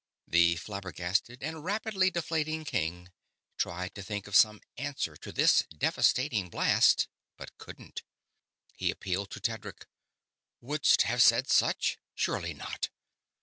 The flabbergasted and rapidly deflating king tried to think of some answer to this devastating blast, but couldn't. He appealed to Tedric. "Wouldst have said such? Surely not!"